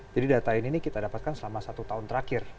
jadi data ini kita dapatkan selama satu tahun terakhir